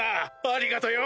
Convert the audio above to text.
ありがとよ‼